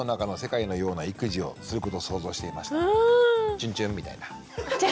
チュンチュンみたいな。